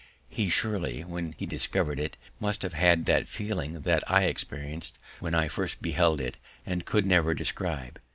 He, surely, when he discovered it, must have had that feeling which I had experienced when I first beheld it and could never describe.